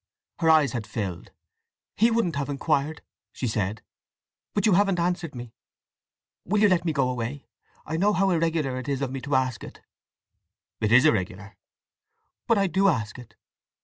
Her eyes had filled. "He wouldn't have inquired!" she said. "But you haven't answered me. Will you let me go away? I know how irregular it is of me to ask it—" "It is irregular." "But I do ask it!